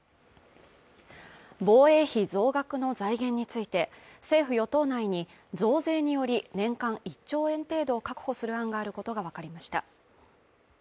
防衛費増額の財源について政府与党内に増税により年間１兆円程度を確保する案があることが分かりました